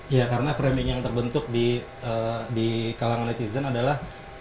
iya karena framing yang terbentuk di kalangan netizen adalah